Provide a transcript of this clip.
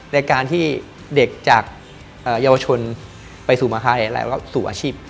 ในการที่เด็กจากเยาวชนมาสู่อาชีพ